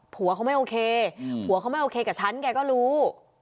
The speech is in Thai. ผัวเขาไม่โอเคผัวเขาไม่โอเคกับฉันแกก็รู้